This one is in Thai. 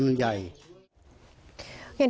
ไม้ดาวครับ